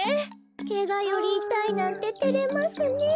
ケガよりいたいなんててれますねえ。